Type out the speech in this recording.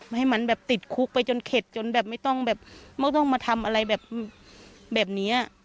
ไม่ให้มันติดคุกไปจนเค็ดจนไม่ต้องมาทำอะไรแบบนี้